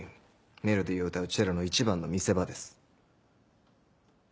メロディーを歌うチェロの一番の見せ場です。